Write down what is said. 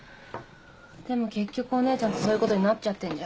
でも結局お姉ちゃんとそういうことになっちゃってんじゃん。